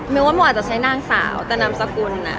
ไม่ว่ามันอาจจะใช้นางสาวแต่น้ำสกุลอ่ะ